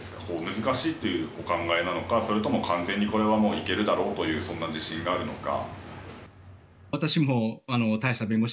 難しいというお考えなのかそれとも完全に行けるだろうという自信があるのか。